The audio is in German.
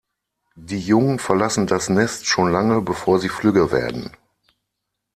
Die Jungen verlassen das Nest schon lange, bevor sie flügge werden.